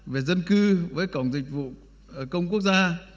về dân cư với cổng dịch vụ công quốc gia